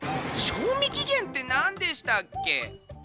賞味期限ってなんでしたっけ？